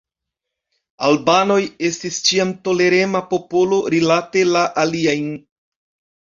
Albanoj estis ĉiam tolerema popolo rilate la aliajn.